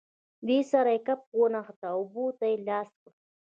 دې سره یې کپ ونښت، اوبو ته یې لاس کړ.